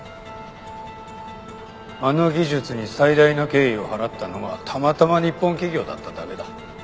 あの技術に最大の敬意を払ったのがたまたま日本企業だっただけだ。